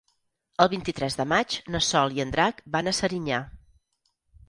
El vint-i-tres de maig na Sol i en Drac van a Serinyà.